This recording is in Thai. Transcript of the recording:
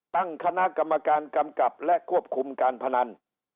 ตั้งคณะกรรมการกำกับและควบคุมการพนัน